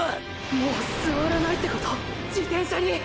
もう座らないってこと⁉自転車に⁉